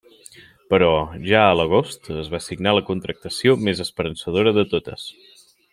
Però, ja a l'agost, es va signar la contractació més esperançadora de totes.